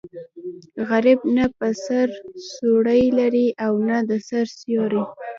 غریب نه په سر څوړی لري او نه د سر سیوری.